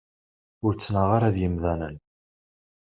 Ur ttnaɣeɣ ara d yemdanen.